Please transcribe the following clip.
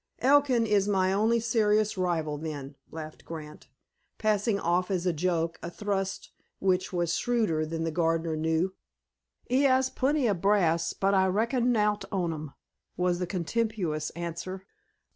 "Elkin is my only serious rival, then?" laughed Grant, passing off as a joke a thrust which was shrewder than the gardener knew. "'E 'as plenty of brass, but I reckon nowt on 'im," was the contemptuous answer.